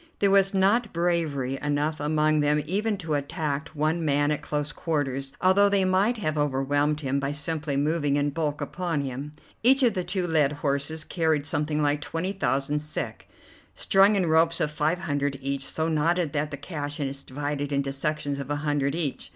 There was not bravery enough among them even to attack one man at close quarters, although they might have overwhelmed him by simply moving in bulk upon him. Each of the two led horses carried something like twenty thousand sek, strung in ropes of five hundred each, so knotted that the cash is divided into sections of a hundred each.